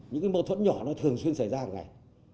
những mâu thuẫn nhỏ thường xuyên xảy ra hàng ngày